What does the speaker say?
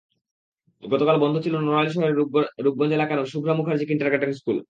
গতকাল বন্ধ ছিল নড়াইল শহরের রূপগঞ্জ এলাকার শুভ্রা মুখার্জি কিন্ডারগার্টেন স্কুল।